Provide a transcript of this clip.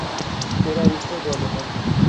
Era hijo de alemanes.